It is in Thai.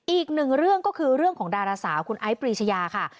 อีกหนึ่งเรื่องก็คือเรื่องของดาราสาวคุณไอ้ปรีชยาค่ะ